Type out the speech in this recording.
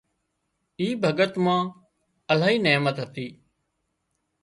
اي ڀڳت مان الاهي نحمت هتي